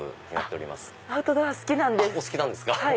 お好きなんですか。